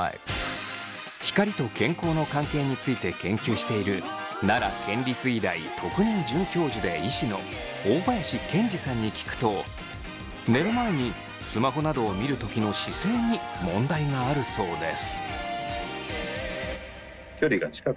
光と健康の関係について研究している奈良県立医大特任准教授で医師の大林賢史さんに聞くと寝る前にスマホなどを見る時の姿勢に問題があるそうです。